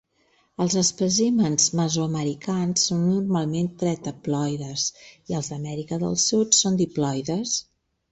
Els espècimens mesoamericans són normalment tetraploides i els d'Amèrica del Sud són diploides.